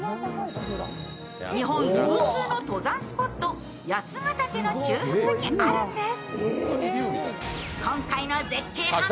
日本有数の登山スポット、八ヶ岳の中腹にあるんです。